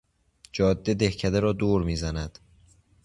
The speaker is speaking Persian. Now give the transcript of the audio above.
جاده دهکده را دور میزند.